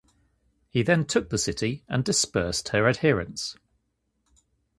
He then took the city and dispersed her adherents.